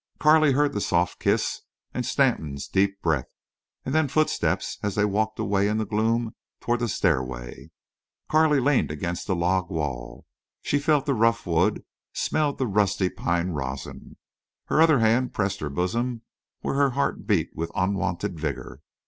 Carley heard the soft kiss and Stanton's deep breath, and then footsteps as they walked away in the gloom toward the stairway. Carley leaned against the log wall. She felt the rough wood—smelled the rusty pine rosin. Her other hand pressed her bosom where her heart beat with unwonted vigor.